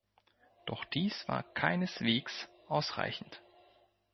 Doch dies war keineswegs ausreichend.